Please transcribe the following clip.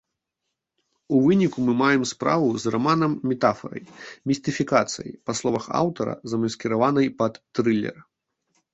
У выніку мы маем справу з раманам-метафарай, містыфікацыяй, па словах аўтара, замаскіраванай пад трылер.